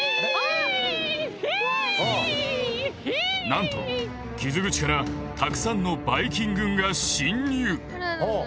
なんと傷口からたくさんのバイ菌軍が侵入。